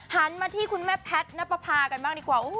หันมาที่คุณแม่แพทย์นับประพากันบ้างดีกว่า